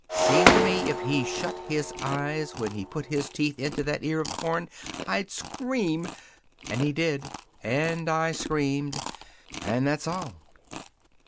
Seemed to me if he shut his eyes when he put his teeth into that ear of corn I'd scream. And he did. And I screamed. And that's all."